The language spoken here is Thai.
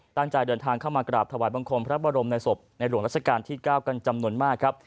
เดินทางเข้ามากราบถวายบังคมพระบรมในศพในหลวงราชการที่๙กันจำนวนมากครับ